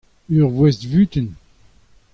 ur voest-vutun.